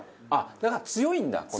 あっだから強いんだ。